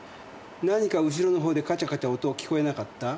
何か後ろのほうでカチャカチャ音聞こえなかった？